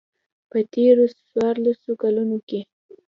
په تېرو څوارلسو کلونو کې.